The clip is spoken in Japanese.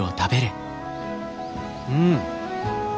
うん。